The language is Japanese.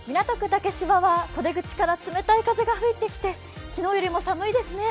竹芝は袖口から冷たい風が入ってきて昨日よりも寒いですね。